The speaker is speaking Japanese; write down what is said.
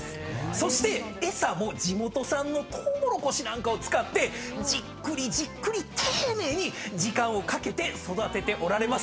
そして餌も地元産のトウモロコシなんかを使ってじっくりじっくり丁寧に時間をかけて育てておられますんで。